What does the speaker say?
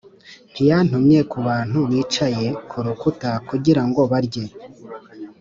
Ntiyantumye ku bantu bicaye ku rukuta kugira ngo barye